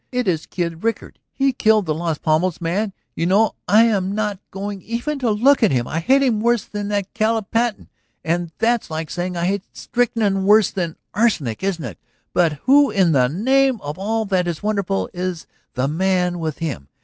It is Kid Rickard; he killed the Las Palmas man, you know. I am not going even to look at him; I hate him worse that Caleb Patten ... and that's like saying I hate strychnine worse than arsenic, isn't it? But who in the name of all that is wonderful is the man with him?